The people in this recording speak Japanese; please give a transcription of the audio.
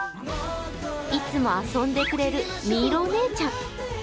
いつも遊んでくれる、みいろお姉ちゃん。